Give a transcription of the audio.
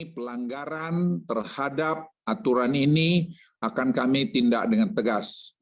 pelanggaran terhadap aturan ini akan kami tindak dengan tegas